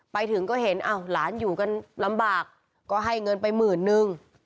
ไปถึงก็เห็นอ้าวหลานอยู่กันลำบากก็ให้เงินไปหมื่นนึง